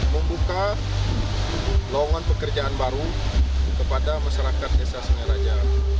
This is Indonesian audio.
membuka longan pekerjaan baru kepada masyarakat desa sengai raja